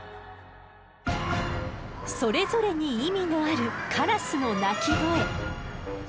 それぞれに意味のあるカラスの鳴き声。